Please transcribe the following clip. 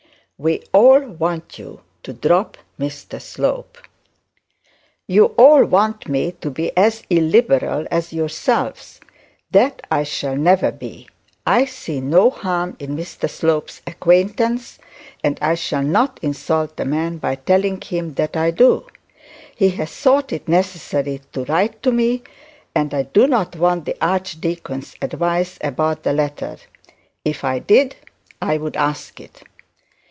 'We all want you to drop Mr Slope.' 'You all want me to be illiberal as yourselves. That I shall never be. I see no harm in Mr Slope's acquaintance, and I shall not insult the man by telling him that I do. He has thought it necessary to write to me, and I do not want the archdeacon's advice about the letter. If I did I would ask it.'